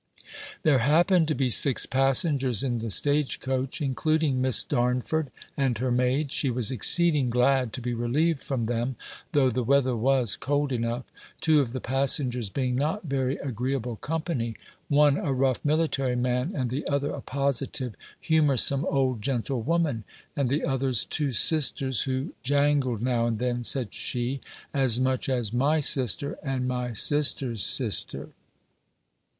There happened to be six passengers in the stage coach, including Miss Darnford and her maid; she was exceeding glad to be relieved from them, though the weather was cold enough, two of the passengers being not very agreeable company, one a rough military man, and the other a positive humoursome old gentlewoman: and the others two sisters "who jangled now and then," said she, "as much as my sister, and my sister's sister."